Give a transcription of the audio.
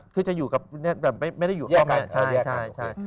คือจะอยู่กับไม่ได้อยู่ร่วมกัน